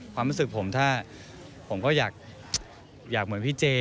ความรู้สึกผมถ้าผมก็อยากเหมือนพี่เจ